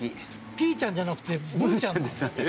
「ぴーちゃん」じゃなくて「ぶーちゃん」？